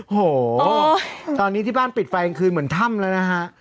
โอ้โหตอนนี้ที่บ้านปิดไฟกลางคืนเหมือนถ้ำแล้วนะฮะ